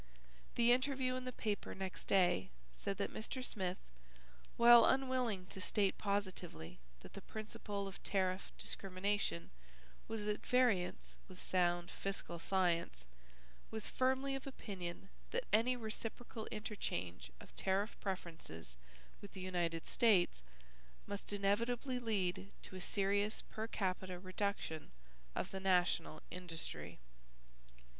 The interview in the paper next day said that Mr. Smith, while unwilling to state positively that the principle of tariff discrimination was at variance with sound fiscal science, was firmly of opinion that any reciprocal interchange of tariff preferences with the United States must inevitably lead to a serious per capita reduction of the national industry.